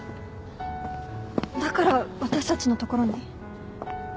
だから私たちのところに？